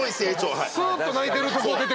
すっと泣いてるとこ出てきた。